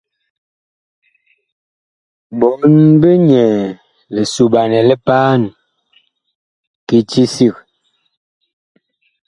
Ɓɔɔn big nyɛɛ lisoɓanɛ li paan kiti sig.